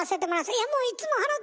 「いやもういつも払てもうて」